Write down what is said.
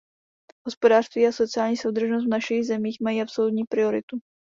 Hospodářství a sociální soudržnost v našich zemích mají absolutní prioritu.